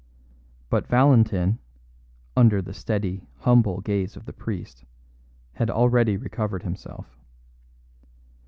But Valentin (under the steady, humble gaze of the priest) had already recovered himself.